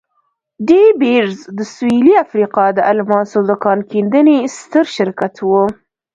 ډي بیرز د سوېلي افریقا د الماسو د کان کیندنې ستر شرکت وو.